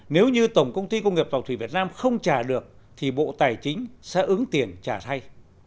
nếu như tổng công ty công nghiệp tàu thủy việt nam không trả được thì bộ tài chính sẽ ứng tiền trả thay